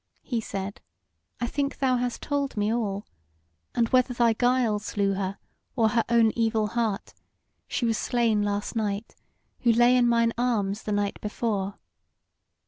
He said: "I think thou hast told me all; and whether thy guile slew her, or her own evil heart, she was slain last night who lay in mine arms the night before.